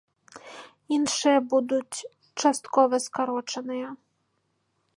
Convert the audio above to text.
Іншыя будуць часткова скарочаныя.